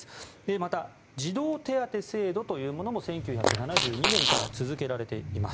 また、児童手当制度というものも１９７２年から続けられています。